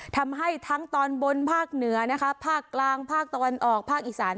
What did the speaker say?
ทำให้ทั้งตอนบนภาคเหนือนะคะภาคกลางภาคตะวันออกภาคอีสาน